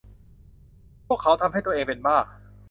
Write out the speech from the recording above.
พวกเขาทำให้ตัวเองเป็นบ้า